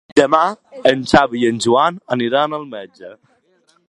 Demà en Xavi i en Joan aniran al metge.